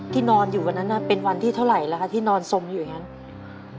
ที่นอนอยู่วันนั้นน่ะเป็นวันที่เท่าไหร่ล่ะที่นอนทรงอยู่อย่างงั้น